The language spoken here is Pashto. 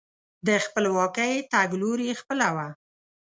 د خپلواکۍ تګلوري خپله وه.